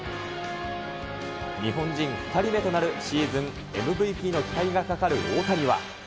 日本人２人目となるシーズンＭＶＰの期待がかかる大谷は。